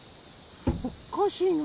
おかしいな。